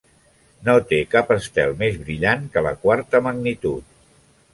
No té cap estel més brillant que la quarta magnitud.